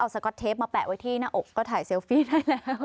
สก๊อตเทปมาแปะไว้ที่หน้าอกก็ถ่ายเซลฟี่ได้